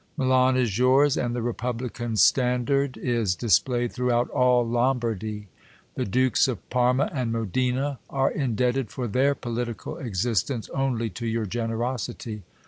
Milan is yours ; and the republican standard is displayed throughout all Lombardy. The dukes of Parma and Modena are indebted for their political ex istence only to your generosity.